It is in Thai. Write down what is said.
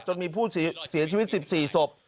จนมีผู้เสียชีวิต๑๔ศพ